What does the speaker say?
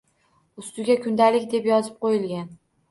Ustiga “Kundalik” deb yozib qo‘yilgan.